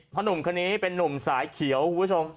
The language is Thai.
เพราะหนุ่มคนนี้เป็นนุ่มสายเขียวคุณผู้ชม